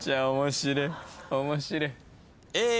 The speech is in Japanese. おもしれえ。